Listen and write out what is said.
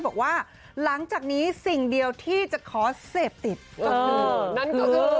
บอกว่าหลังจากนี้สิ่งเดียวที่จะขอเสพติดก็คือนั่นก็คือ